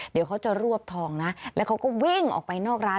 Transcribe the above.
เดี๋ยวเขาจะรวบทองนะแล้วเขาก็วิ่งออกไปนอกร้าน